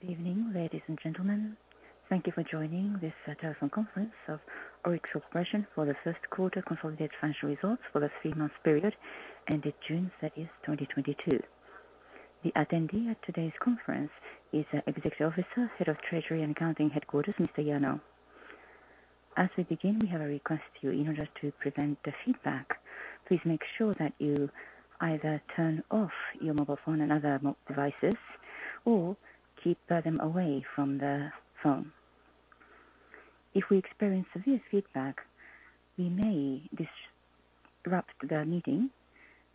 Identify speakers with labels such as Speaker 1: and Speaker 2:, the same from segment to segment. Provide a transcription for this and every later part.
Speaker 1: Good evening, ladies and gentlemen. Thank you for joining this telephone conference of ORIX Corporation for the first quarter consolidated financial results for the three-month period ended June, that is, 2022. The attendee at today's conference is Executive Officer, Head of Treasury and Accounting Headquarters, Mr. Yano. As we begin, we have a request to you. In order to prevent the feedback, please make sure that you either turn off your mobile phone and other devices or keep them away from the phone. If we experience severe feedback, we may disrupt the meeting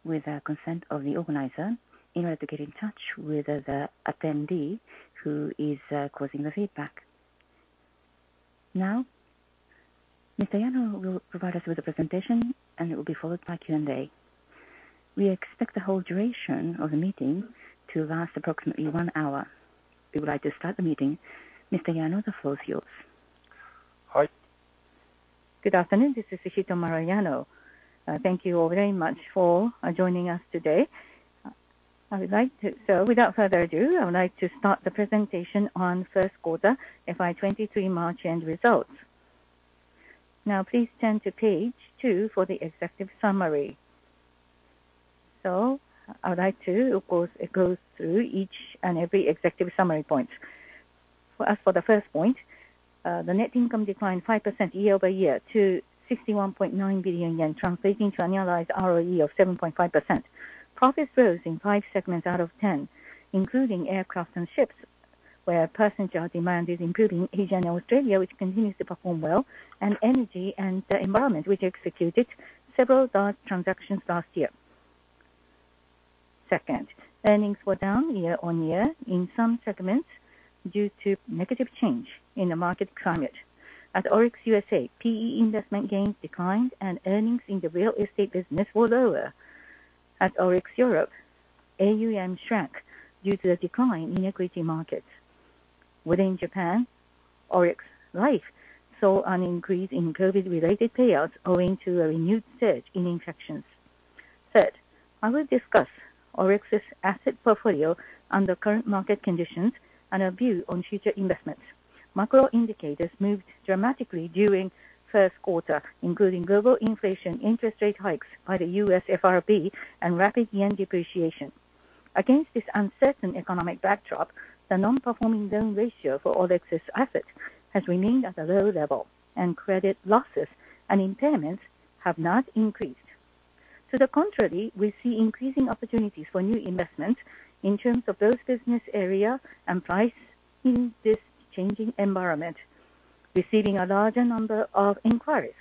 Speaker 1: with the consent of the organizer in order to get in touch with the attendee who is causing the feedback. Now, Mr. Yano will provide us with a presentation, and it will be followed by Q&A. We expect the whole duration of the meeting to last approximately one hour. We would like to start the meeting. Mr. Yano, the floor is yours.
Speaker 2: Hi. Good afternoon. This is Hitomaro Yano. Thank you all very much for joining us today. Without further ado, I would like to start the presentation on first quarter FY 2023 March end results. Please turn to page two for the executive summary. I would like to, of course, go through each and every executive summary points. As for the first point, the net income declined 5% year-over-year to 61.9 billion yen, translating to an annualized ROE of 7.5%. Profit rose in five segments out of 10, including aircraft and ships, where passenger demand is improving, Asia and Australia, which continues to perform well, and energy and the environment, which executed several large transactions last year. Second, earnings were down year-on-year in some segments due to negative change in the market climate. At ORIX USA, PE investment gains declined and earnings in the real estate business was lower. At ORIX Europe, AUM shrank due to a decline in equity markets. Within Japan, ORIX Life saw an increase in COVID-related payouts owing to a renewed surge in infections. Third, I will discuss ORIX's asset portfolio under current market conditions and our view on future investments. Macro indicators moved dramatically during first quarter, including global inflation, interest rate hikes by the U.S. FRB, and rapid yen depreciation. Against this uncertain economic backdrop, the non-performing loan ratio for ORIX's assets has remained at a low level, and credit losses and impairments have not increased. To the contrary, we see increasing opportunities for new investments in terms of both business area and price in this changing environment, receiving a larger number of inquiries.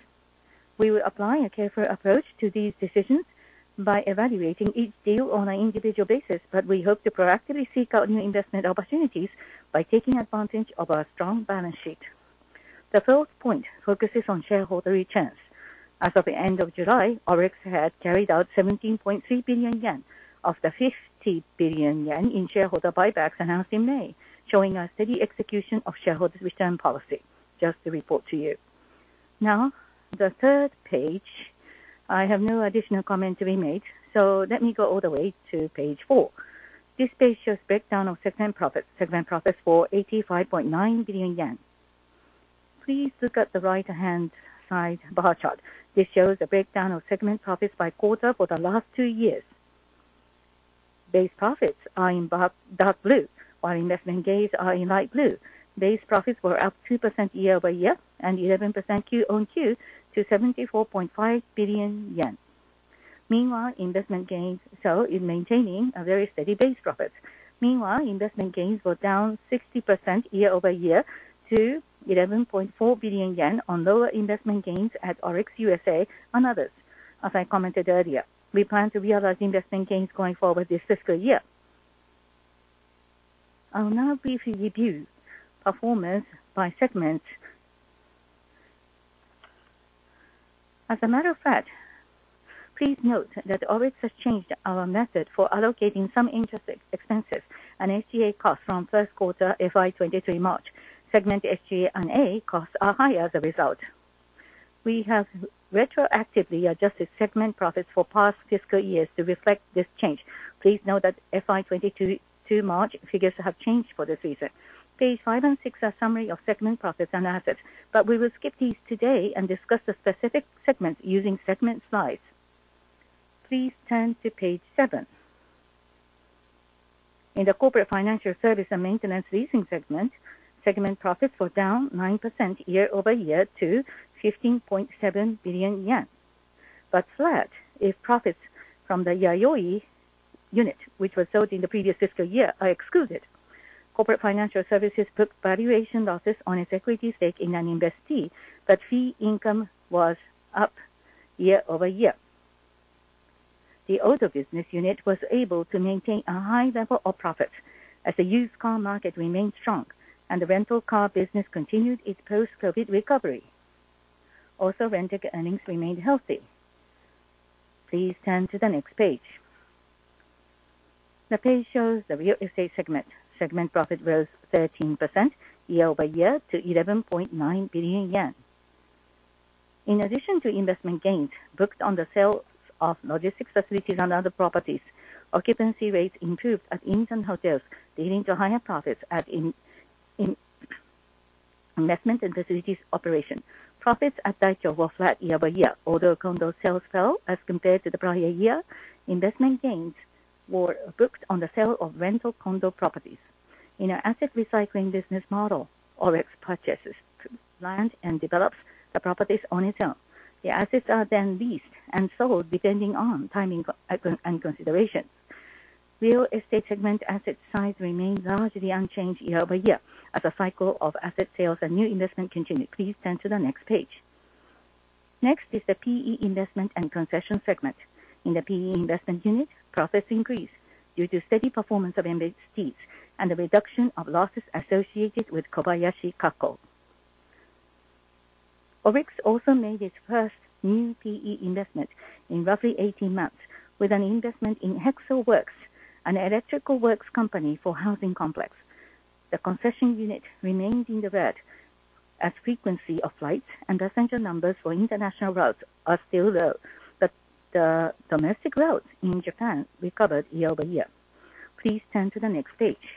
Speaker 2: We will apply a careful approach to these decisions by evaluating each deal on an individual basis, but we hope to proactively seek out new investment opportunities by taking advantage of our strong balance sheet. The fourth point focuses on shareholder returns. As of the end of July, ORIX had carried out 17.3 billion yen of the 50 billion yen in shareholder buybacks announced in May, showing a steady execution of shareholders' return policy. Just to report to you. Now, the third page, I have no additional comment to be made, so let me go all the way to page four. This page shows breakdown of segment profits. Segment profits for 85.9 billion yen. Please look at the right-hand side bar chart. This shows a breakdown of segment profits by quarter for the last two years. Base profits are in dark blue, while investment gains are in light blue. Base profits were up 2% year-over-year and 11% Q on Q to 74.5 billion yen. Maintaining a very steady base profit. Meanwhile, investment gains were down 60% year-over-year to 11.4 billion yen on lower investment gains at ORIX USA and others. As I commented earlier, we plan to realize investment gains going forward this fiscal year. I will now briefly review performance by segment. As a matter of fact, please note that ORIX has changed our method for allocating some interest expenses and SGA costs from first quarter FY 2023 March. Segment SG&A costs are high as a result. We have retroactively adjusted segment profits for past fiscal years to reflect this change. Please note that FY 2022 to March figures have changed for this reason. Page five and six are summary of segment profits and assets, but we will skip these today and discuss the specific segments using segment slides. Please turn to page seven. In the corporate financial service and maintenance leasing segment profits were down 9% year-over-year to 15.7 billion yen. Flat if profits from the Yayoi unit, which was sold in the previous fiscal year, are excluded. Corporate financial services took valuation losses on its equity stake in an investee, but fee income was up year-over-year. The auto business unit was able to maintain a high level of profit as the used car market remained strong and the rental car business continued its post-COVID recovery. Also, renting earnings remained healthy. Please turn to the next page. The page shows the real estate segment. Segment profit rose 13% year-over-year to 11.9 billion yen. In addition to investment gains booked on the sale of logistics facilities and other properties, occupancy rates improved at inns and hotels, leading to higher profits in investment and facilities operation. Profits at DAIKYO were flat year-over-year, although condo sales fell as compared to the prior year. Investment gains were booked on the sale of rental condo properties. In our asset recycling business model, ORIX purchases land and develops the properties on its own. The assets are then leased and sold depending on timing and consideration. Real estate segment asset size remained largely unchanged year-over-year as a cycle of asset sales and new investment continued. Please turn to the next page. Next is the PE investment and concession segment. In the PE investment unit, profits increased due to steady performance of investees and the reduction of losses associated with Kobayashi Kako. ORIX also made its first new PE investment in roughly 18 months with an investment in HEXEL Works, an electrical works company for housing complex. The concession unit remained in the red as frequency of flights and passenger numbers for international routes are still low. The domestic routes in Japan recovered year-over-year. Please turn to the next page.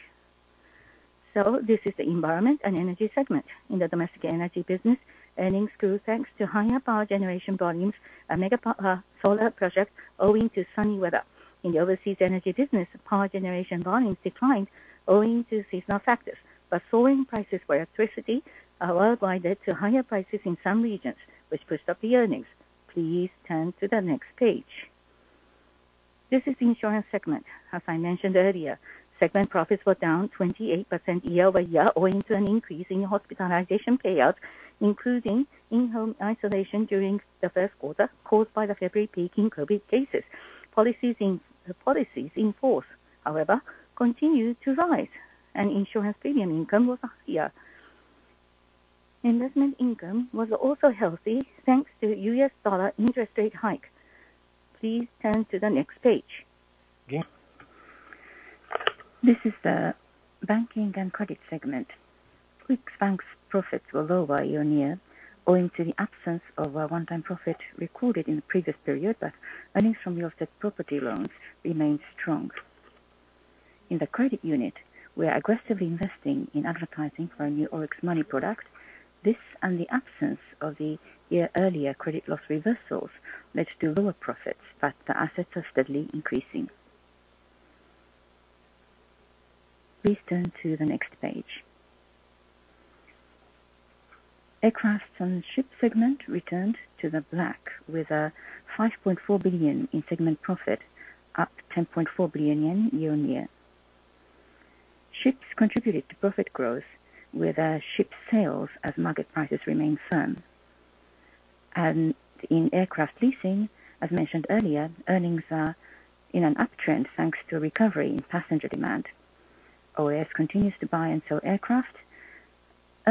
Speaker 2: This is the environment and energy segment. In the domestic energy business, earnings grew thanks to higher power generation volumes and mega solar projects owing to sunny weather. In the overseas energy business, power generation volumes declined owing to seasonal factors, but soaring prices for electricity were linked to higher prices in some regions, which pushed up the earnings. Please turn to the next page. This is the insurance segment. As I mentioned earlier, segment profits were down 28% year-over-year owing to an increase in hospitalization payouts, including in-home isolation during the first quarter caused by the February peak in COVID cases. Policies in force, however, continued to rise, and insurance premium income was higher. Investment income was also healthy, thanks to U.S. Dollar interest rate hike. Please turn to the next page. Yeah. This is the banking and credit segment. ORIX Bank profits were lower year-on-year, owing to the absence of a one-time profit recorded in the previous period. Earnings from real estate property loans remained strong. In the credit unit, we are aggressively investing in advertising for our new ORIX Money product. This and the absence of the year earlier credit loss reversals led to lower profits, but the assets are steadily increasing. Please turn to the next page. Aircraft and ship segment returned to the black with 5.4 billion in segment profit, up 10.4 billion yen year-on-year. Ships contributed to profit growth with ship sales as market prices remained firm. In aircraft leasing, as mentioned earlier, earnings are in an uptrend thanks to a recovery in passenger demand. ORIX continues to buy and sell aircraft.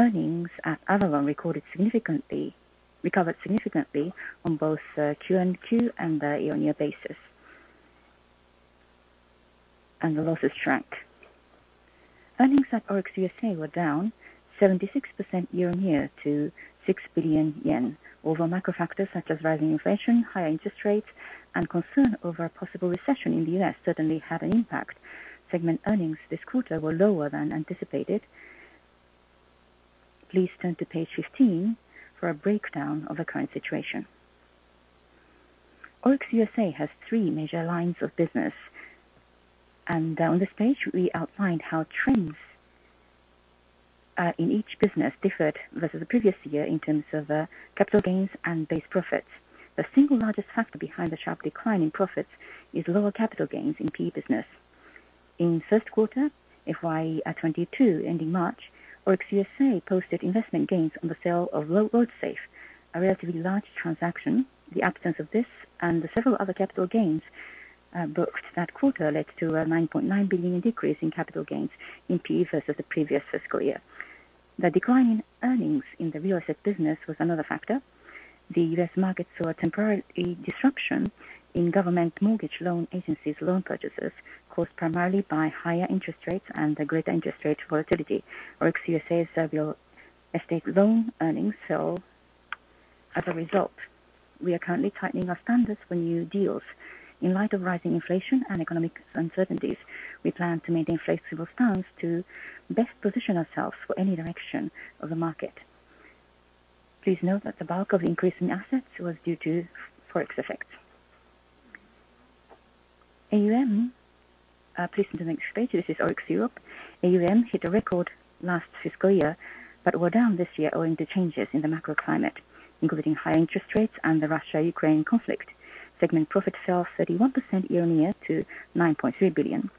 Speaker 2: Earnings at Avolon recovered significantly on both Q on Q and year-on-year basis. The losses shrank. Earnings at ORIX USA were down 76% year-on-year to 6 billion yen. Over macro factors such as rising inflation, higher interest rates and concern over a possible recession in the U.S. certainly had an impact. Segment earnings this quarter were lower than anticipated. Please turn to page 15 for a breakdown of the current situation. ORIX USA has three major lines of business. On this page, we outlined how trends in each business differed versus the previous year in terms of capital gains and base profits. The single largest factor behind the sharp decline in profits is lower capital gains in PE business. In first quarter FY 2022 ending March, ORIX Corporation USA posted investment gains on the sale of RoadSafe, a relatively large transaction. The absence of this and the several other capital gains booked that quarter led to a 9.9 billion decrease in capital gains in PE versus the previous fiscal year. The decline in earnings in the real estate business was another factor. The U.S. market saw a temporary disruption in government mortgage loan agencies loan purchases caused primarily by higher interest rates and the greater interest rate volatility. ORIX Corporation USA's real estate loan earnings fell as a result. We are currently tightening our standards for new deals. In light of rising inflation and economic uncertainties, we plan to maintain flexible stance to best position ourselves for any direction of the market. Please note that the bulk of increase in assets was due to Forex effect. AUM. Please turn to the next page. This is ORIX Europe. AUM hit a record last fiscal year, but were down this year owing to changes in the macro climate, including higher interest rates and the Russia-Ukraine conflict. Segment profit fell 31% year-on-year to 9.3 billion.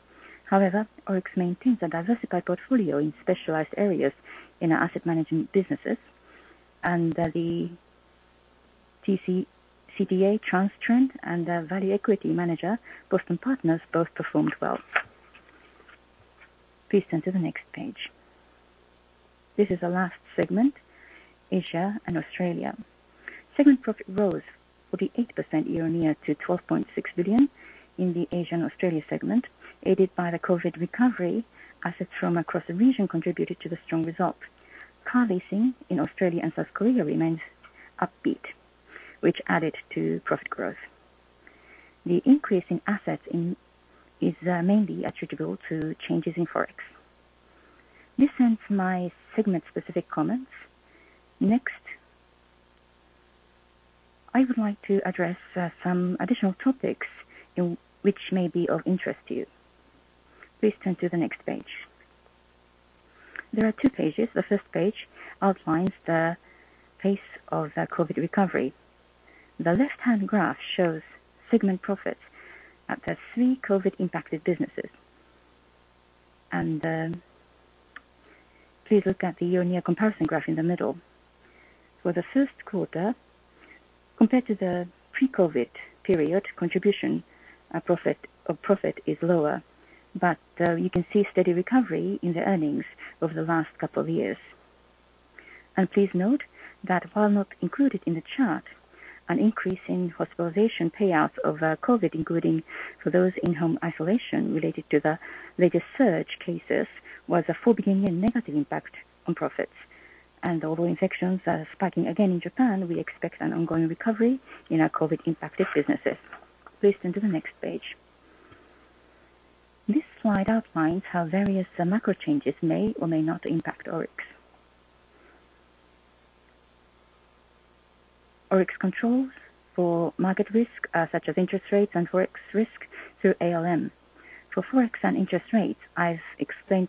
Speaker 2: However, ORIX maintains a diversified portfolio in specialized areas in our asset management businesses, and the CTA Transtrend and Value Equity Manager, Boston Partners both performed well. Please turn to the next page. This is our last segment, Asia and Australia. Segment profit rose. 48% year-on-year to 12.6 billion in the Asia and Australia segment, aided by the COVID recovery. Assets from across the region contributed to the strong result. Car leasing in Australia and South Korea remains upbeat, which added to profit growth. The increase in assets is mainly attributable to changes in Forex. This ends my segment-specific comments. Next, I would like to address some additional topics in which may be of interest to you. Please turn to the next page. There are two pages. The first page outlines the pace of the COVID recovery. The left-hand graph shows segment profits at the three COVID-impacted businesses. Please look at the year-on-year comparison graph in the middle. For the first quarter, compared to the pre-COVID period, contribution profit is lower, but you can see steady recovery in the earnings over the last couple of years. Please note that while not included in the chart, an increase in hospitalization payouts of COVID, including for those in-home isolation related to the latest surge cases, was a JPY 4 billion negative impact on profits. Although infections are spiking again in Japan, we expect an ongoing recovery in our COVID-impacted businesses. Please turn to the next page. This slide outlines how various macro changes may or may not impact ORIX. ORIX controls for market risk, such as interest rates and Forex risk through ALM. For Forex and interest rates, I've explained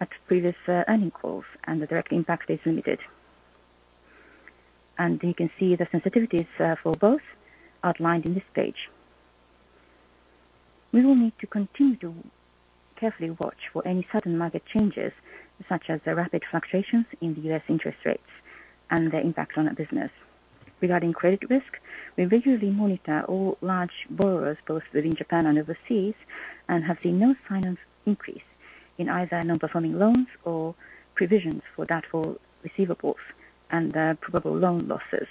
Speaker 2: at previous earnings calls, and the direct impact is limited. You can see the sensitivities for both outlined in this page. We will need to continue to carefully watch for any sudden market changes, such as the rapid fluctuations in the U.S. interest rates and the impact on our business. Regarding credit risk, we regularly monitor all large borrowers, both within Japan and overseas, and have seen no signs of increase in either non-performing loans or provisions for doubtful receivables and probable loan losses.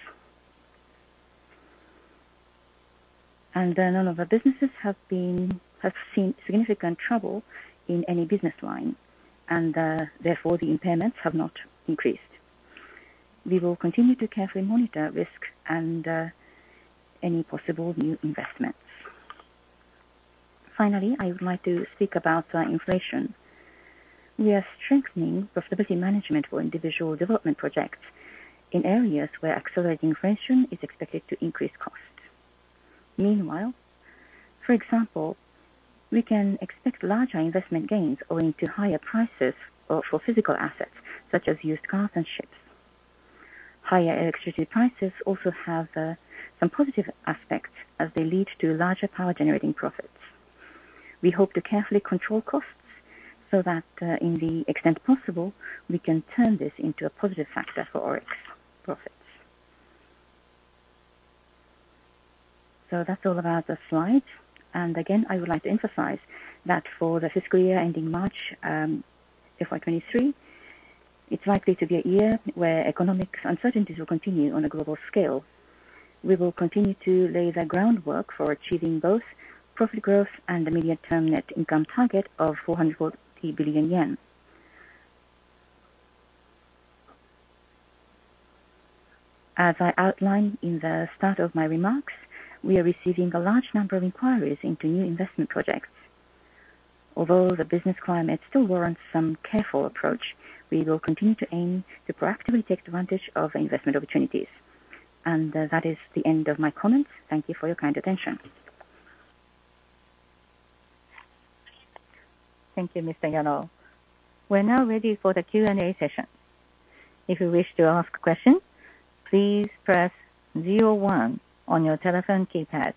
Speaker 2: None of our businesses have seen significant trouble in any business line, and therefore, the impairments have not increased. We will continue to carefully monitor risks and any possible new investments. Finally, I would like to speak about inflation. We are strengthening profitability management for individual development projects in areas where accelerating inflation is expected to increase costs. Meanwhile, for example, we can expect larger investment gains owing to higher prices for physical assets such as used cars and ships. Higher electricity prices also have some positive aspects as they lead to larger power generating profits. We hope to carefully control costs so that, in the extent possible, we can turn this into a positive factor for ORIX profits. That's all about the slides. Again, I would like to emphasize that for the fiscal year ending March, FY 2023, it's likely to be a year where economic uncertainties will continue on a global scale. We will continue to lay the groundwork for achieving both profit growth and the medium-term net income target of 440 billion yen. As I outlined in the start of my remarks, we are receiving a large number of inquiries into new investment projects. Although the business climate still warrants some careful approach, we will continue to aim to proactively take advantage of investment opportunities. That is the end of my comments. Thank you for your kind attention.
Speaker 1: Thank you, Mr. Yano. We're now ready for the Q&A session. If you wish to ask a question, please press zero one on your telephone keypad.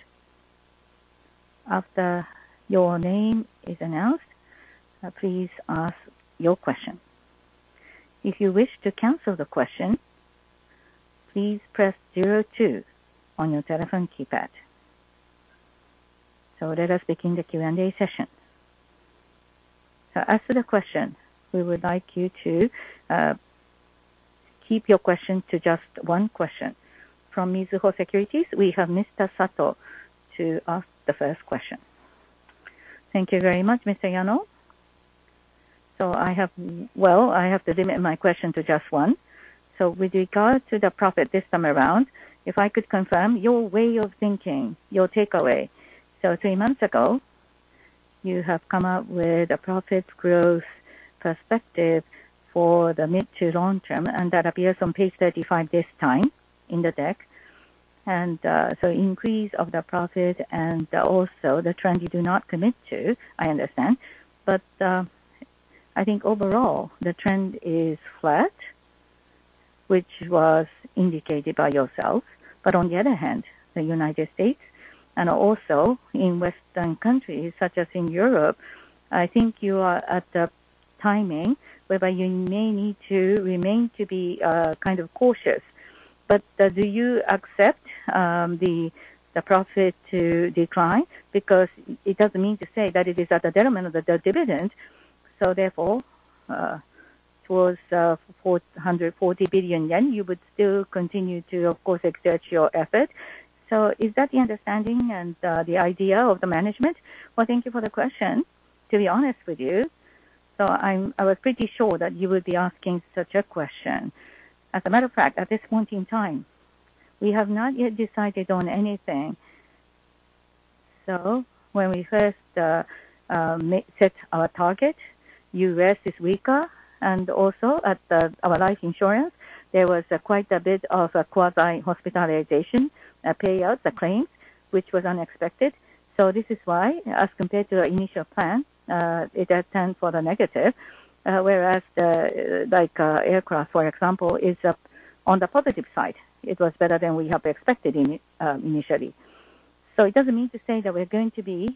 Speaker 1: After your name is announced, please ask your question. If you wish to cancel the question, please press zero two on your telephone keypad. Let us begin the Q&A session. As to the question, we would like you to keep your question to just one question. From Mizuho Securities, we have Mr. Sato ask the first question.
Speaker 3: Thank you very much, Mr. Yano. I have, well, I have to limit my question to just one. With regard to the profit this time around, if I could confirm your way of thinking, your takeaway. Three months ago, you have come up with a profit growth perspective for the mid to long term, and that appears on page 35 this time in the deck. Increase of the profit and also the trend you do not commit to, I understand. I think overall the trend is flat, which was indicated by yourself. On the other hand, the United States and also in Western countries such as in Europe, I think you are at a timing whereby you may need to remain to be kind of cautious. Do you accept the profit to decline? Because it doesn't mean to say that it is at the detriment of the dividend. Therefore, towards 440 billion yen, you would still continue to, of course, exert your effort. Is that the understanding and the idea of the management?
Speaker 2: Well, thank you for the question. To be honest with you, I was pretty sure that you would be asking such a question. As a matter of fact, at this point in time, we have not yet decided on anything. When we first set our target, U.S. is weaker and also at our life insurance there was quite a bit of a quasi-hospitalization payout, the claims, which was unexpected. This is why as compared to our initial plan, it has turned for the negative, whereas the, like, aircraft, for example, is on the positive side. It was better than we have expected in initially. It doesn't mean to say that we're going to be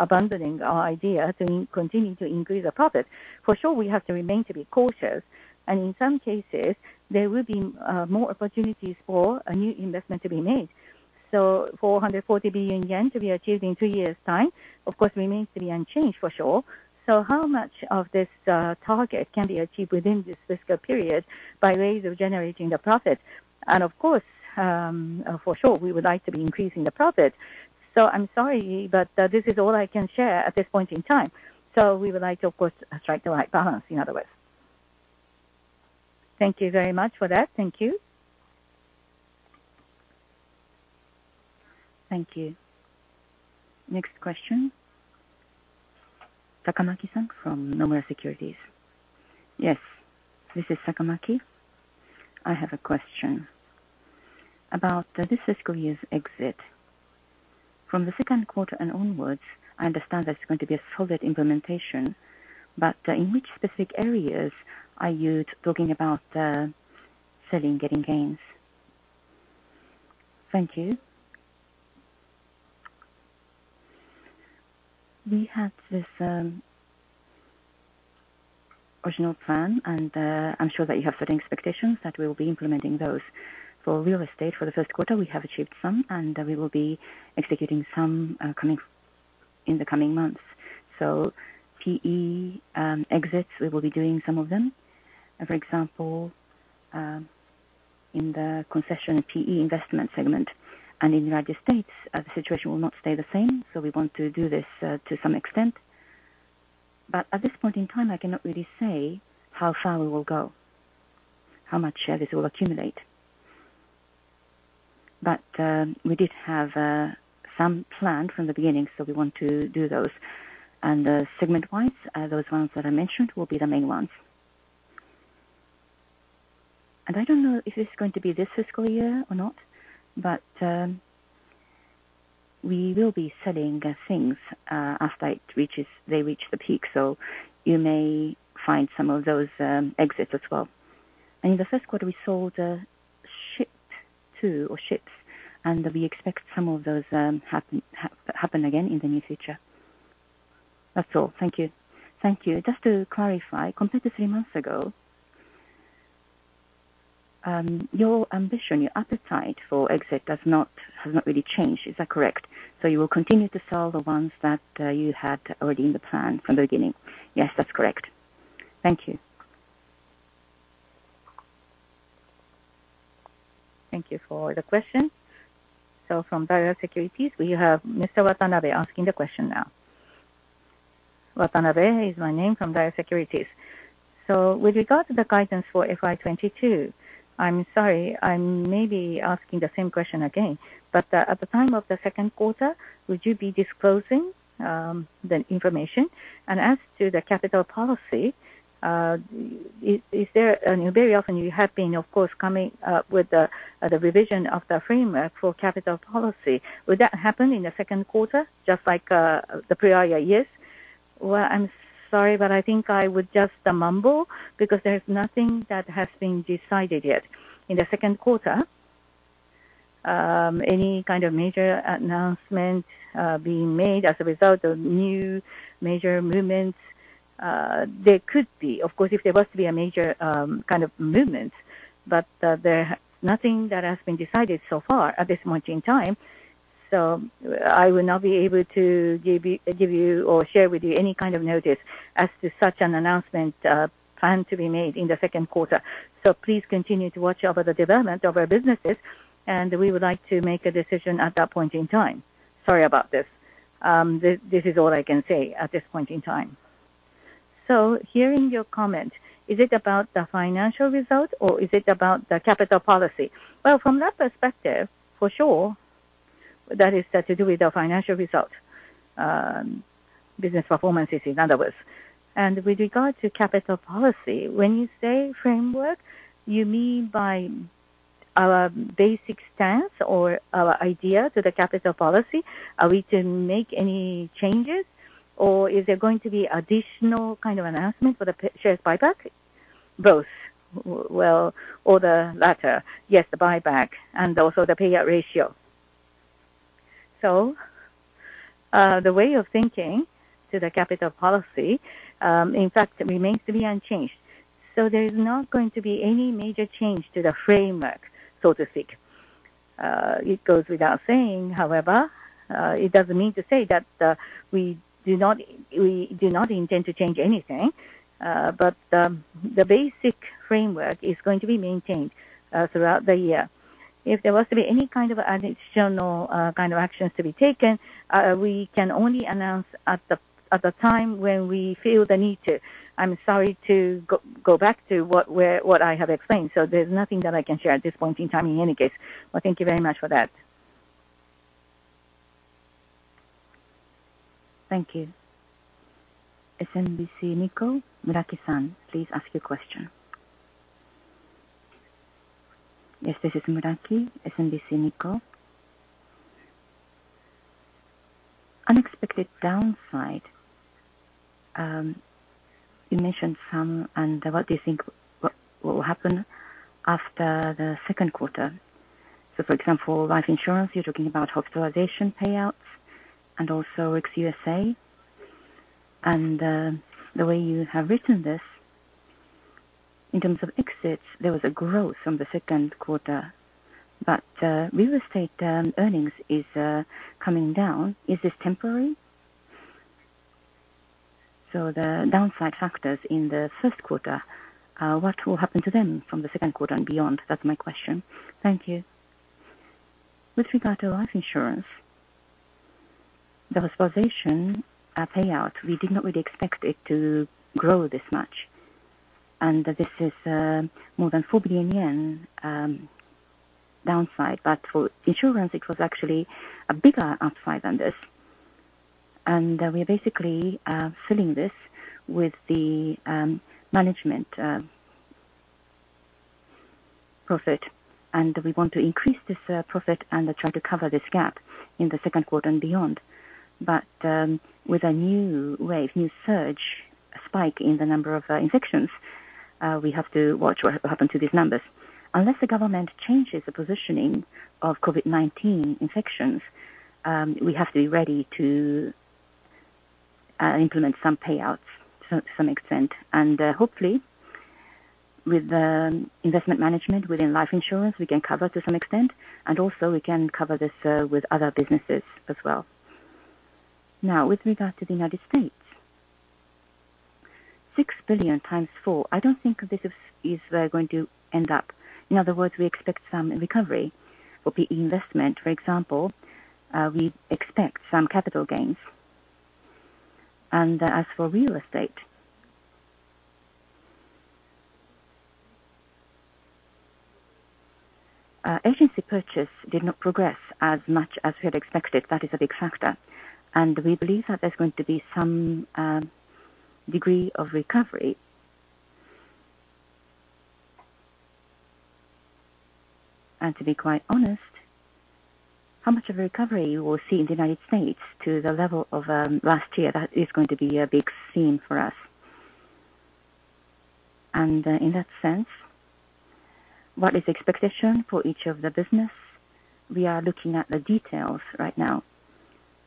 Speaker 2: abandoning our idea to continue to increase the profit. For sure we have to remain to be cautious, and in some cases there will be more opportunities for a new investment to be made. 440 billion yen to be achieved in two years' time, of course, remains to be unchanged for sure. How much of this target can be achieved within this fiscal period by ways of generating the profit? Of course, for sure we would like to be increasing the profit. I'm sorry, but this is all I can share at this point in time. We would like to of course strike the right balance, in other words.
Speaker 3: Thank you very much for that. Thank you.
Speaker 1: Thank you. Next question. Sakamaki-san from Nomura Securities.
Speaker 4: Yes, this is Sakamaki. I have a question. About this fiscal year's exit. From the second quarter and onwards, I understand there's going to be a solid implementation, but in which specific areas are you talking about selling, getting gains? Thank you.
Speaker 2: We had this original plan and I'm sure that you have certain expectations that we will be implementing those. For real estate, for the first quarter, we have achieved some and we will be executing some coming in the coming months. PE exits, we will be doing some of them. For example, in the concession PE investment segment and in United States, the situation will not stay the same, so we want to do this to some extent. At this point in time, I cannot really say how far we will go, how much this will accumulate. We did have some plan from the beginning, so we want to do those. Segment-wise, those ones that I mentioned will be the main ones. I don't know if this is going to be this fiscal year or not, but we will be selling things after it reaches, they reach the peak. You may find some of those exits as well. In the first quarter, we sold a ship too, or ships, and we expect some of those happen again in the near future. That's all. Thank you.
Speaker 4: Thank you. Just to clarify, compared to three months ago, your ambition, your appetite for exit has not really changed. Is that correct? You will continue to sell the ones that you had already in the plan from the beginning?
Speaker 2: Yes, that's correct.
Speaker 4: Thank you.
Speaker 1: Thank you for the question. From Daiwa Securities, we have Mr. Watanabe asking the question now.
Speaker 5: Watanabe is my name from Daiwa Securities. With regard to the guidance for FY 2022, I'm sorry, I'm maybe asking the same question again, but at the time of the second quarter, would you be disclosing the information? As to the capital policy, is there, and very often you have been, of course, coming with the revision of the framework for capital policy. Would that happen in the second quarter, just like the prior years? Well, I'm sorry, but I think I would just mumble because there's nothing that has been decided yet. In the second quarter, any kind of major announcement being made as a result of new major movements, there could be. Of course, if there was to be a major kind of movement, but there's nothing that has been decided so far at this point in time. I will not be able to give you or share with you any kind of notice as to such an announcement planned to be made in the second quarter. Please continue to watch out for the development of our businesses, and we would like to make a decision at that point in time. Sorry about this. This is all I can say at this point in time. Hearing your comment, is it about the financial result or is it about the capital policy? Well, from that perspective, for sure, that has to do with the financial result, business performance, in other words.
Speaker 2: With regard to capital policy, when you say framework, you mean by our basic stance or our idea to the capital policy, are we to make any changes or is there going to be additional kind of announcement for the preferred shares buyback? Both. Well, or the latter. Yes, the buyback and also the payout ratio. The way of thinking to the capital policy, in fact remains to be unchanged. There is not going to be any major change to the framework, so to speak. It goes without saying, however, it doesn't mean to say that we do not intend to change anything. The basic framework is going to be maintained throughout the year. If there was to be any kind of additional actions to be taken, we can only announce at the time when we feel the need to. I'm sorry to go back to what I have explained, so there's nothing that I can share at this point in time in any case. Well, thank you very much for that.
Speaker 1: Thank you. SMBC Nikko, Muraki-san, please ask your question.
Speaker 6: Yes, this is Muraki, SMBC Nikko. Unexpected downside, you mentioned some and what do you think will happen after the second quarter? For example, life insurance, you're talking about hospitalization payouts and also ex USA. The way you have written this, in terms of exits, there was a growth from the second quarter, real estate earnings is coming down. Is this temporary? The downside factors in the first quarter, what will happen to them from the second quarter and beyond? That's my question.
Speaker 2: Thank you. With regard to life insurance, the hospitalization payout, we did not really expect it to grow this much. This is more than 4 billion yen downside. For insurance, it was actually a bigger upside than this. We are basically filling this with the management profit, and we want to increase this profit and try to cover this gap in the second quarter and beyond. With a new wave, new surge, spike in the number of infections, we have to watch what happened to these numbers. Unless the government changes the positioning of COVID-19 infections, we have to be ready to implement some payouts to some extent. Hopefully with the investment management within life insurance, we can cover to some extent, and also we can cover this with other businesses as well. Now, with regard to the United States, $6 billion times four, I don't think this is going to end up. In other words, we expect some recovery or PE investment, for example, we expect some capital gains. As for real estate, agency purchase did not progress as much as we had expected. That is a big factor, and we believe that there's going to be some degree of recovery. To be quite honest, how much of a recovery we'll see in the United States to the level of last year, that is going to be a big theme for us. In that sense, what is expectation for each of the business? We are looking at the details right now,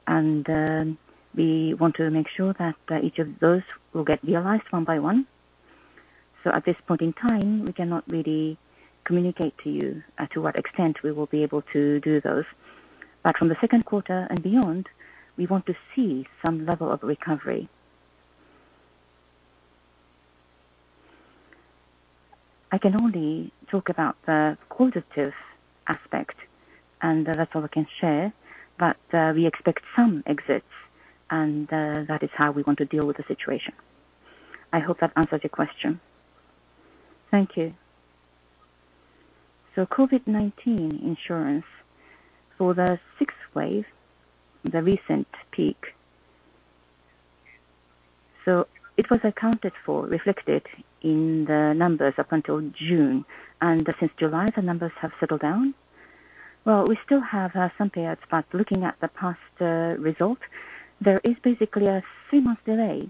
Speaker 2: and we want to make sure that each of those will get realized one by one. At this point in time, we cannot really communicate to you as to what extent we will be able to do those. From the second quarter and beyond, we want to see some level of recovery. I can only talk about the qualitative aspect and that's all I can share. We expect some exits and that is how we want to deal with the situation. I hope that answers your question. Thank you. COVID-19 insurance for the sixth wave, the recent peak. It was accounted for, reflected in the numbers up until June, and since July, the numbers have settled down. Well, we still have some payouts, but looking at the past result, there is basically a three-month delay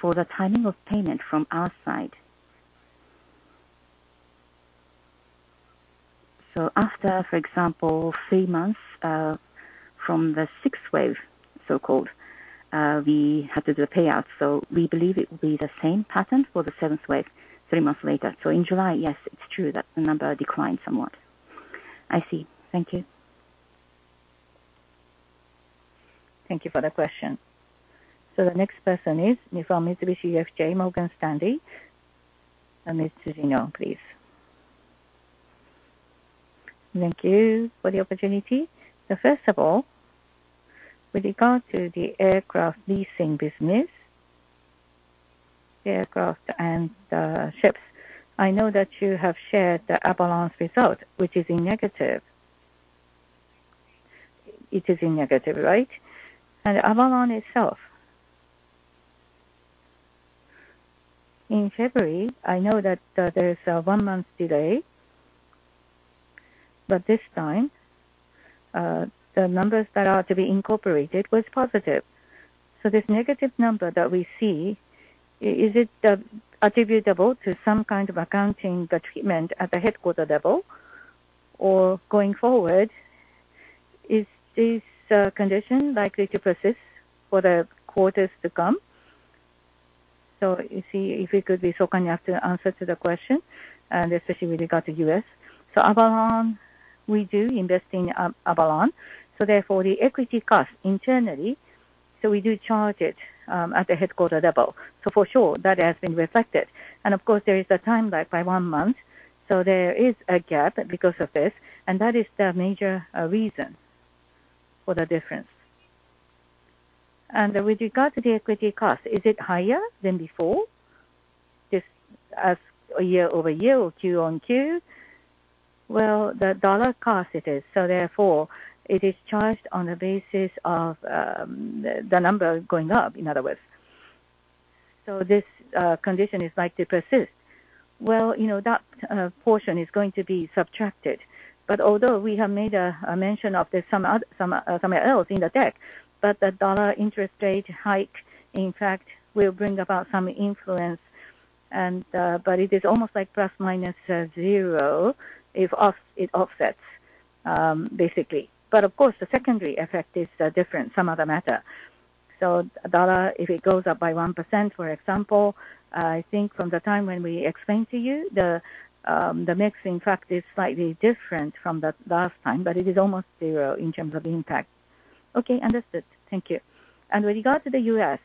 Speaker 2: for the timing of payment from our side. After, for example, three months from the sixth wave, so-called, we had to do a payout. We believe it will be the same pattern for the seventh wave three months later. In July, yes, it's true that the number declined somewhat.
Speaker 6: I see. Thank you.
Speaker 1: Thank you for the question. The next person is from Mitsubishi UFJ Morgan Stanley. Ms. Tsujino, please.
Speaker 7: Thank you for the opportunity. First of all, with regard to the aircraft leasing business, the aircraft and the ships, I know that you have shared the Avolon result, which is in negative. It is in negative, right? Avolon itself. In February, I know that there is a one-month delay, but this time, the numbers that are to be incorporated was positive. This negative number that we see, is it attributable to some kind of accounting, the treatment at the headquarter level? Or going forward, is this condition likely to persist for the quarters to come? You see, if you could be so kind enough to answer to the question, and especially with regard to U.S.
Speaker 2: Avolon, we do invest in Avolon, so therefore the equity cost internally, so we do charge it at the headquarters level. For sure that has been reflected. Of course there is a time lag by one month, so there is a gap because of this, and that is the major reason for the difference. With regard to the equity cost, is it higher than before? Just as year-over-year or Q on Q? Well, the dollar cost it is, so therefore it is charged on the basis of the number going up, in other words. This condition is likely to persist. Well, you know, that portion is going to be subtracted. Although we have made a mention of this somewhere else in the deck, the dollar interest rate hike, in fact, will bring about some influence and but it is almost like plus minus zero offset, it offsets, basically. Of course the secondary effect is different, some other matter. The dollar, if it goes up by 1%, for example, I think from the time when we explained to you the mix in fact is slightly different from the last time, but it is almost zero in terms of impact. Okay. Understood. Thank you. With regard to the U.S.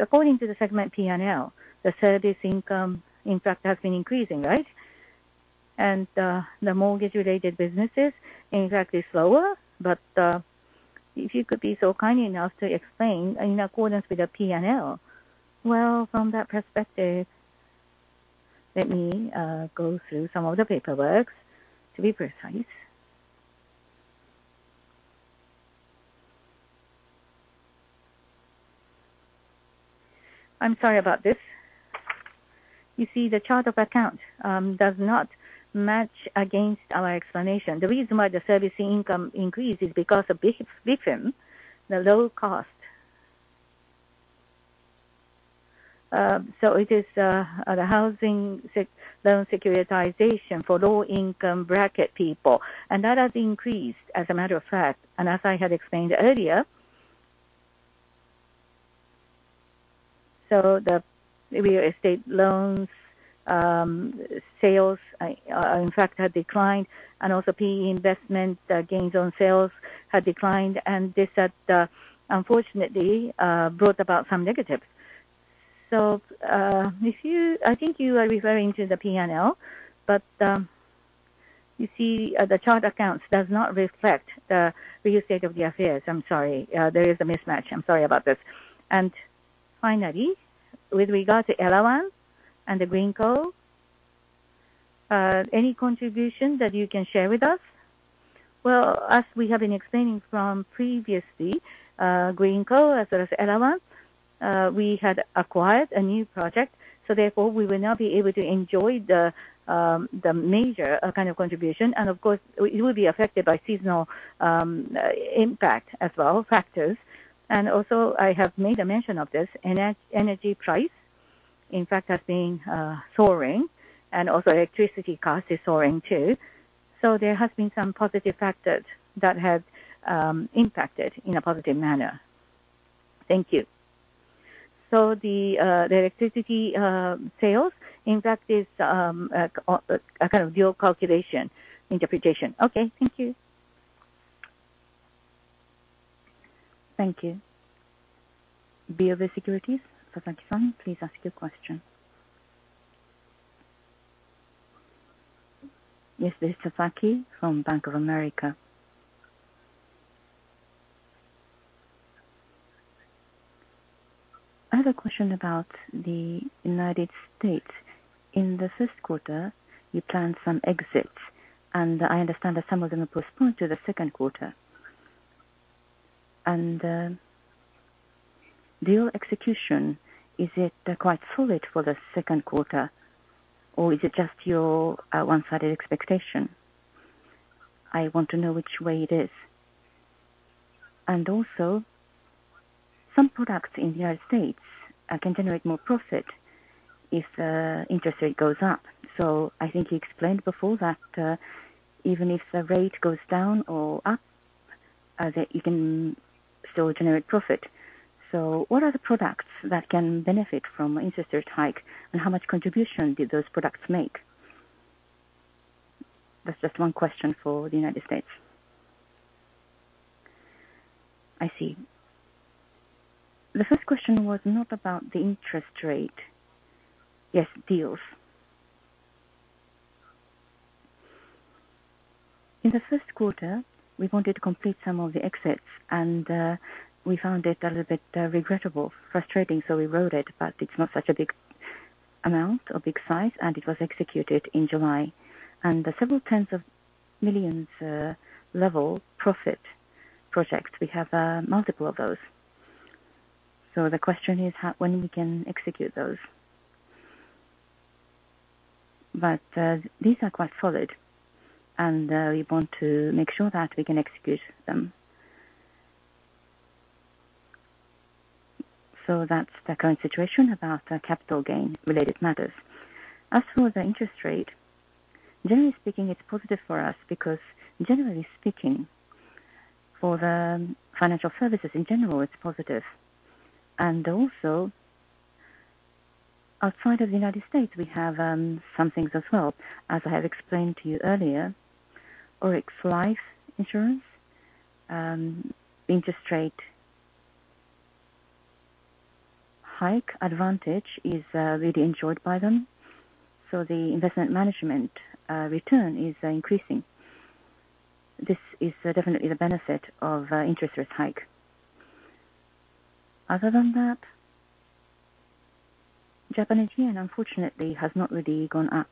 Speaker 2: According to the segment P&L, the service income impact has been increasing, right? The mortgage related businesses in fact is slower. If you could be so kind enough to explain in accordance with the P&L. From that perspective, let me go through some of the paperwork to be precise. I'm sorry about this. You see the chart of accounts does not match against our explanation. The reason why the servicing income increase is because of BFIM, the low cost. It is the housing loan securitization for low income bracket people, and that has increased as a matter of fact, and as I had explained earlier. The real estate loans sales in fact had declined. Also PE investment gains on sales had declined. This had unfortunately brought about some negatives. If you. I think you are referring to the P&L, but you see, the chart of accounts does not reflect the real state of the affairs. I'm sorry, there is a mismatch. I'm sorry about this. Finally, with regard to Elawan and the Greenko, any contribution that you can share with us? Well, as we have been explaining previously, Greenko as well as Elawan, we had acquired a new project, so therefore we will now be able to enjoy the major kind of contribution and of course it will be affected by seasonal impact as well as factors. Also, I have made a mention of this, energy price in fact has been soaring and also electricity cost is soaring too. There has been some positive factors that have impacted in a positive manner.
Speaker 7: Thank you.
Speaker 2: The electricity sales in fact is a kind of dual calculation interpretation.
Speaker 7: Okay. Thank you.
Speaker 1: Thank You, Bank of America. Sasaki-san, please ask your question.
Speaker 8: Yes. This is Sasaki from Bank of America. I have a question about the United States. In the first quarter, you planned some exits and I understand that some of them are postponed to the second quarter. Deal execution, is it quite solid for the second quarter or is it just your one-sided expectation? I want to know which way it is. Also some products in the United States can generate more profit if interest rate goes up. I think you explained before that even if the rate goes down or up that you can still generate profit. What are the products that can benefit from interest rates hike, and how much contribution did those products make? That's just one question for the United States.
Speaker 2: I see. The first question was not about the interest rate.
Speaker 8: Yes, deals.
Speaker 2: In the first quarter, we wanted to complete some of the exits and we found it a little bit regrettable, frustrating, so we wrote it, but it's not such a big amount or big size, and it was executed in July. The JPY several tens of millions level profit projects, we have multiple of those. The question is how, when we can execute those. These are quite solid and we want to make sure that we can execute them. That's the current situation about capital gain related matters. As for the interest rate. Generally speaking, it's positive for us because generally speaking, for the financial services in general, it's positive. Also outside of the United States, we have some things as well. As I have explained to you earlier, ORIX Life Insurance interest rate hike advantage is really enjoyed by them. The investment management return is increasing. This is definitely the benefit of interest rate hike. Other than that, Japanese yen unfortunately has not really gone up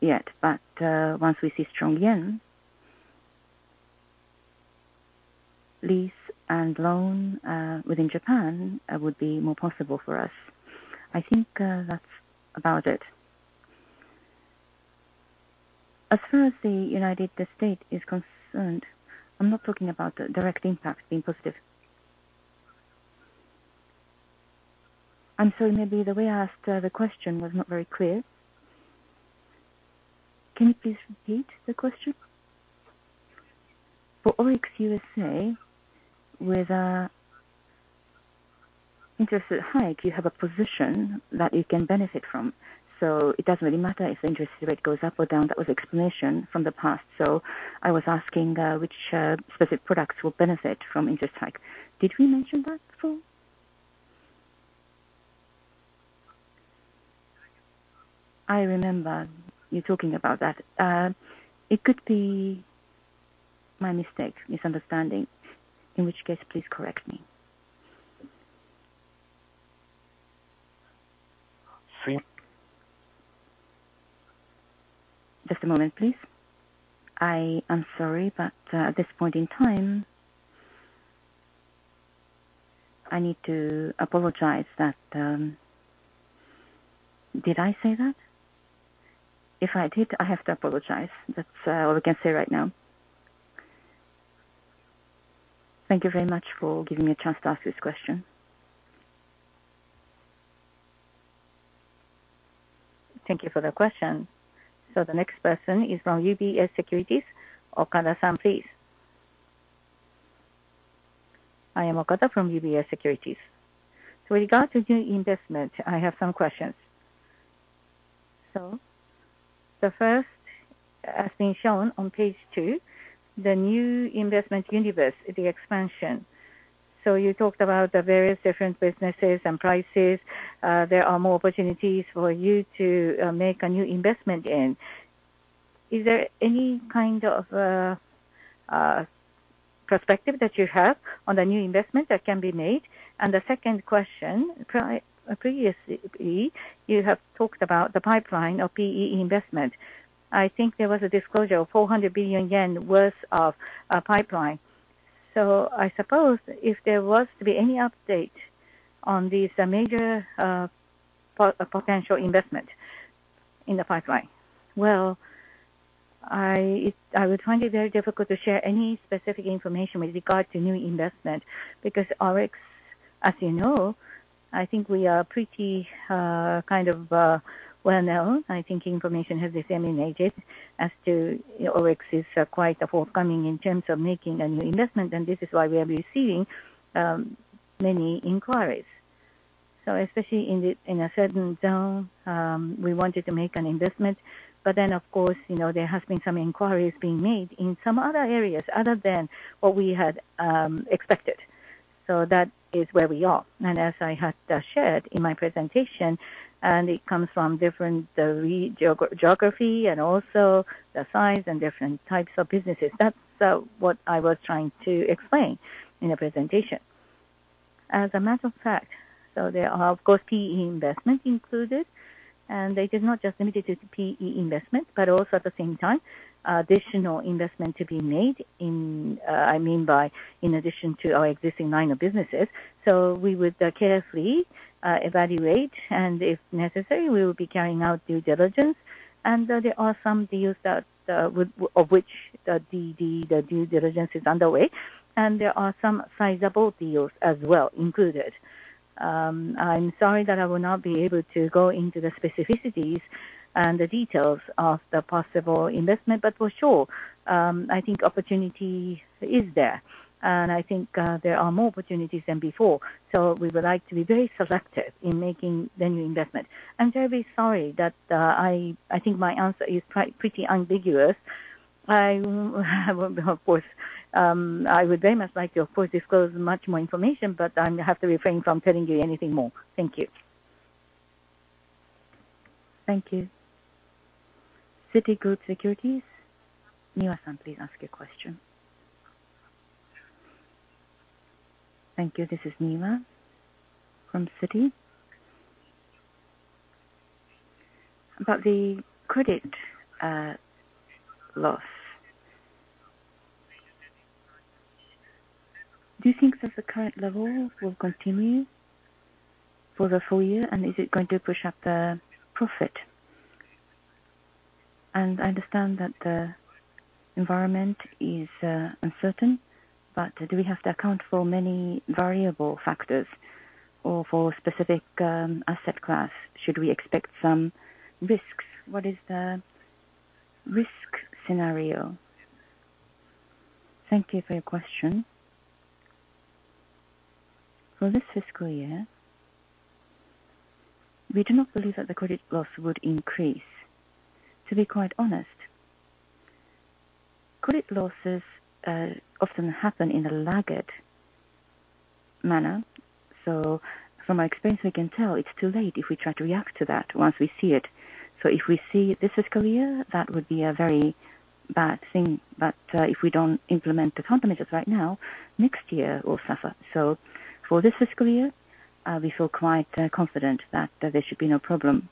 Speaker 2: yet. Once we see strong yen, lease and loan within Japan would be more possible for us. I think that's about it.
Speaker 8: As far as the United States is concerned, I'm not talking about the direct impact being positive. I'm sorry. Maybe the way I asked the question was not very clear.
Speaker 2: Can you please repeat the question?
Speaker 8: For ORIX USA, with an interest hike, you have a position that you can benefit from, so it doesn't really matter if the interest rate goes up or down. That was the explanation from the past. I was asking which specific products will benefit from interest hike. Did we mention that before? I remember you talking about that. It could be my mistake, misunderstanding, in which case, please correct me.
Speaker 2: Just a moment, please. I am sorry, but at this point in time, I need to apologize that. Did I say that? If I did, I have to apologize. That's all I can say right now.
Speaker 8: Thank you very much for giving me a chance to ask this question.
Speaker 1: Thank you for the question. The next person is from UBS Securities, Okada-san, please.
Speaker 9: I am Okada from UBS Securities. With regard to new investment, I have some questions. The first, as being shown on page two, the new investment universe, the expansion. You talked about the various different businesses and prices. There are more opportunities for you to make a new investment in. Is there any kind of a perspective that you have on the new investment that can be made? The second question, previously, you have talked about the pipeline of PE investment. I think there was a disclosure of 400 billion yen worth of pipeline. I suppose if there was to be any update on these major potential investment in the pipeline.
Speaker 2: Well, I would find it very difficult to share any specific information with regard to new investment, because ORIX, as you know, I think we are pretty kind of well-known. I think information has disseminated as to ORIX is quite forthcoming in terms of making a new investment, and this is why we are receiving many inquiries. Especially in a certain zone, we wanted to make an investment. Of course, you know, there has been some inquiries being made in some other areas other than what we had expected. That is where we are. As I had shared in my presentation, it comes from different geography and also the size and different types of businesses. That's what I was trying to explain in the presentation. As a matter of fact, there are of course PE investment included, and they are not just limited to PE investment, but also at the same time, additional investment to be made in, I mean, in addition to our existing line of businesses. We would carefully evaluate and if necessary, we will be carrying out due diligence. There are some deals of which the due diligence is underway, and there are some sizable deals as well included. I'm sorry that I will not be able to go into the specificities and the details of the possible investment, but for sure, I think opportunity is there, and I think there are more opportunities than before. We would like to be very selective in making the new investment. I'm very sorry that I think my answer is quite pretty ambiguous. Of course, I would very much like to, of course, disclose much more information, but I have to refrain from telling you anything more. Thank you.
Speaker 1: Thank you. Citigroup Securities. Niwa-san, please ask your question.
Speaker 10: Thank you. This is Niwa from Citi. About the credit loss, do you think that the current level will continue for the full year and is it going to push up the profit? I understand that Environment is uncertain, but do we have to account for many variable factors or for specific asset class? Should we expect some risks? What is the risk scenario?
Speaker 2: Thank you for your question. For this fiscal year, we do not believe that the credit loss would increase. To be quite honest, credit losses often happen in a laggard manner, so from my experience, we can tell it's too late if we try to react to that once we see it. If we see it this fiscal year, that would be a very bad thing. If we don't implement the countermeasures right now, next year will suffer. For this fiscal year, we feel quite confident that there should be no problem.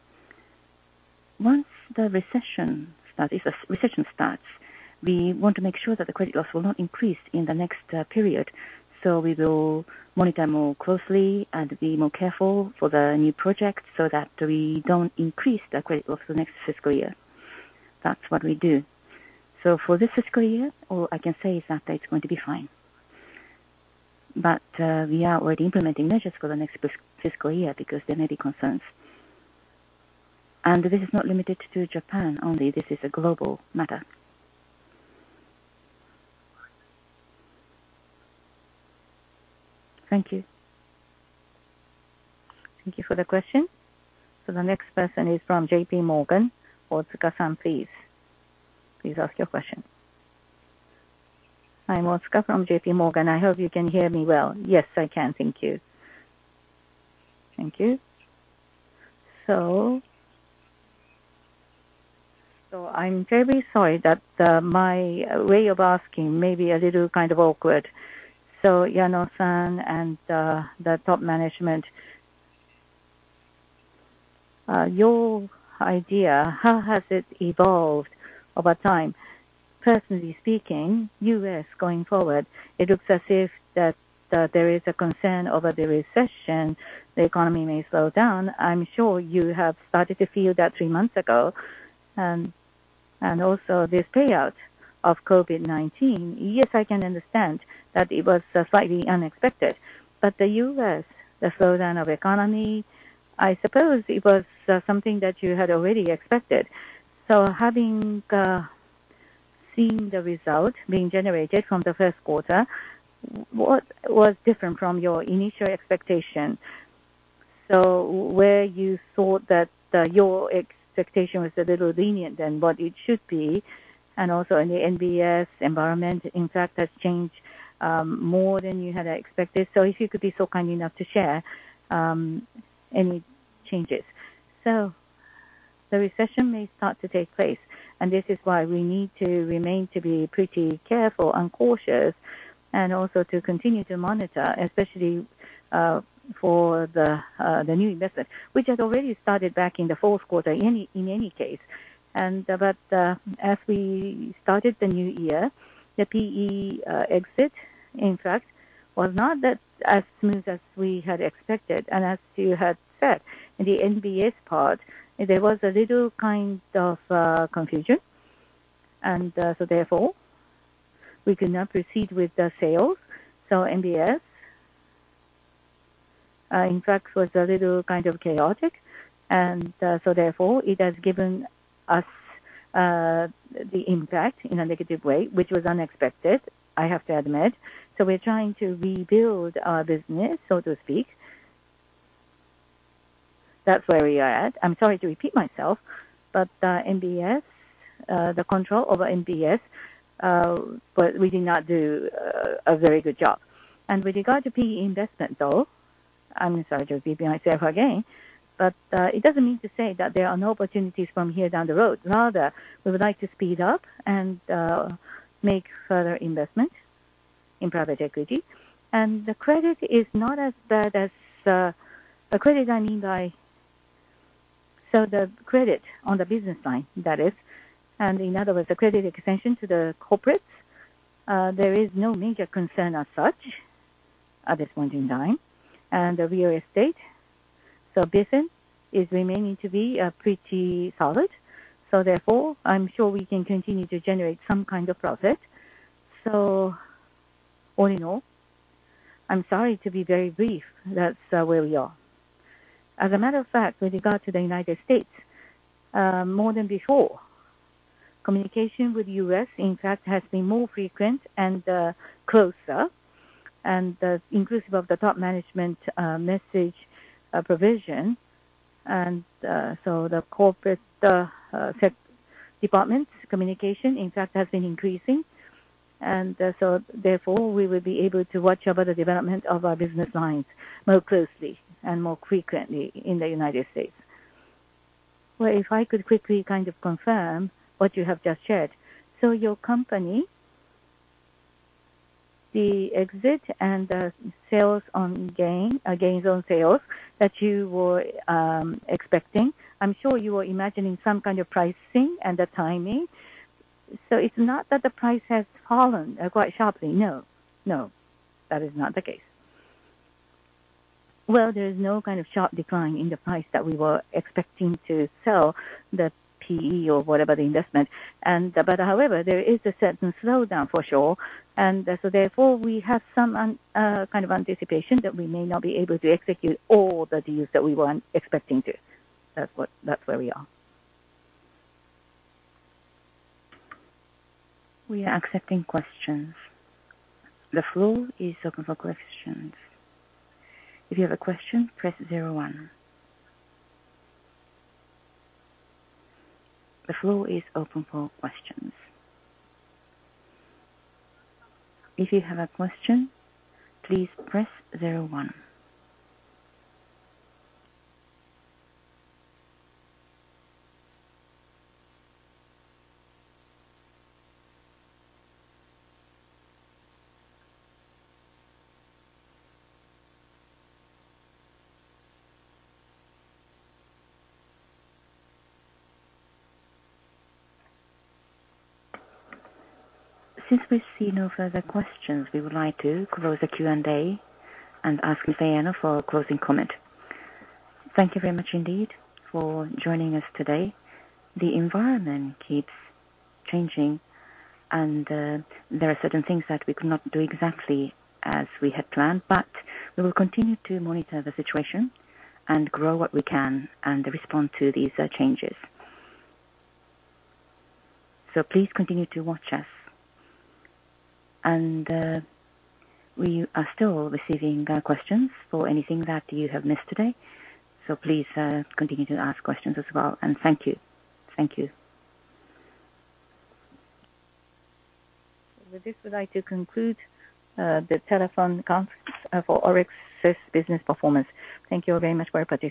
Speaker 2: Once the recession starts, if the recession starts, we want to make sure that the credit loss will not increase in the next period. We will monitor more closely and be more careful for the new project so that we don't increase the credit loss the next fiscal year. That's what we do. For this fiscal year, all I can say is that it's going to be fine. We are already implementing measures for the next fiscal year because there may be concerns. This is not limited to Japan only. This is a global matter.
Speaker 10: Thank you.
Speaker 1: Thank you for the question. The next person is from J.P. Morgan. Otsuka-san, please. Please ask your question.
Speaker 11: I'm Otsuka from JPMorgan. I hope you can hear me well.
Speaker 2: Yes, I can. Thank you.
Speaker 11: Thank you. I'm very sorry that my way of asking may be a little kind of awkward. Yano-san and the top management, your idea, how has it evolved over time? Personally speaking, U.S. going forward, it looks as if that there is a concern over the recession, the economy may slow down. I'm sure you have started to feel that three months ago. Also this outbreak of COVID-19. Yes, I can understand that it was slightly unexpected, but the U.S., the slowdown of the economy, I suppose it was something that you had already expected. Having seen the result being generated from the first quarter, what was different from your initial expectation? Where you thought that your expectation was a little lenient than what it should be? Also in the MBS environment, in fact, has changed more than you had expected. If you could be so kind enough to share any changes. The recession may start to take place, and this is why we need to remain to be pretty careful and cautious and also to continue to monitor especially for the new investment, which has already started back in the fourth quarter in any case. As we started the new year, the PE exit, in fact, was not that as smooth as we had expected. As you had said, in the MBS part, there was a little kind of confusion. We could not proceed with the sales. MBS, in fact, was a little kind of chaotic. It has given us the impact in a negative way, which was unexpected, I have to admit. We're trying to rebuild our business, so to speak.
Speaker 2: That's where we are at. I'm sorry to repeat myself, but MBS, the control over MBS, we did not do a very good job. With regard to PE investment, though, I'm sorry to repeat myself again, but it doesn't mean to say that there are no opportunities from here down the road. Rather, we would like to speed up and make further investments in private equity. The credit is not as bad as the credit I mean by. The credit on the business line, that is, and in other words, the credit extension to the corporates, there is no major concern as such at this point in time. The real estate business is remaining to be pretty solid. Therefore, I'm sure we can continue to generate some kind of profit. All in all, I'm sorry to be very brief. That's where we are. As a matter of fact, with regard to the United States, more than before, communication with U.S., in fact, has been more frequent and closer and inclusive of the top management message provision. The corporate department communication, in fact, has been increasing.
Speaker 1: We will be able to watch over the development of our business lines more closely and more frequently in the United States.
Speaker 11: Well, if I could quickly kind of confirm what you have just shared. Your company, the exit and the sales on gain, gains on sales that you were expecting, I'm sure you were imagining some kind of pricing and the timing. It's not that the price has fallen quite sharply?
Speaker 2: No. No, that is not the case. Well, there is no kind of sharp decline in the price that we were expecting to sell the PE or whatever the investment and. However, there is a certain slowdown for sure, and so therefore, we have some kind of anticipation that we may not be able to execute all the deals that we were expecting to. That's where we are.
Speaker 1: We are accepting questions. The floor is open for questions. If you have a question, press zero one. The floor is open for questions. If you have a question, please press zero one. Since we see no further questions, we would like to close the Q&A and ask Mr. Yano for a closing comment.
Speaker 2: Thank you very much indeed for joining us today. The environment keeps changing and, there are certain things that we could not do exactly as we had planned. We will continue to monitor the situation and grow what we can and respond to these changes. Please continue to watch us. We are still receiving questions for anything that you have missed today, so please continue to ask questions as well, and thank you. Thank you. With this, we'd like to conclude the telephone conference for ORIX's business performance. Thank you very much for participating.